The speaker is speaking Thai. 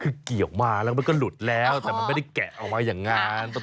คือเกี่ยวมาแล้วมันก็หลุดแล้วแต่มันไม่ได้แกะออกมาอย่างนั้น